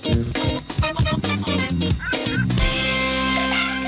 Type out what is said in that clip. โปรดติดตามตอนต่อไป